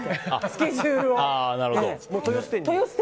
スケジュールを。